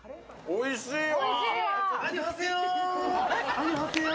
おいしいわ。